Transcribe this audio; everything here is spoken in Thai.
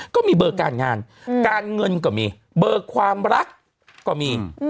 ก็มีเบอร์การงานการเงินก็มีเบอร์ความรักก็มี